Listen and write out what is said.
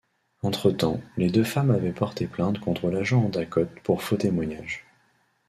Entre-temps, les deux femmes avaient porté plainte contre l'agent Endacott pour faux témoignage.